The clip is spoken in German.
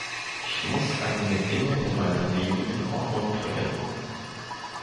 Ich muss einige Dinge in meinem Leben in Ordnung bringen.